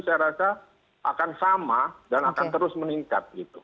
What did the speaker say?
saya rasa akan sama dan akan terus meningkat gitu